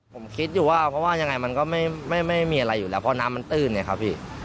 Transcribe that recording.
ผมคิดอยู่ว่าเพราะว่ายังไงมันก็ไม่มีอะไรอยู่แล้วเพราะน้ำมันตื้นไงครับพี่